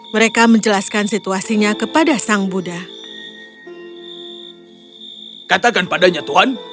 mereka menjelaskan situasinya kepada sang buddha